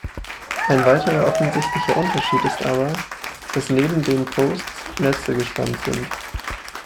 Ein weiterer offensichtlicher Unterschied ist aber, dass neben den Posts Netze gespannt sind.